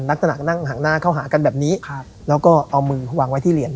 นักหนักนั่งห่างหน้าเข้าหากันแบบนี้ครับแล้วก็เอามือวางไว้ที่เหรียญ